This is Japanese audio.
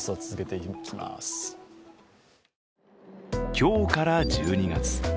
今日から１２月。